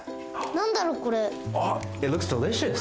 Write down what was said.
なんだろうこれ。